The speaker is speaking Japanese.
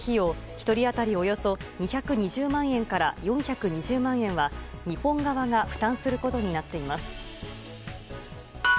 １人当たりおよそ２２０万円から４２０万円は日本側が負担することになっています。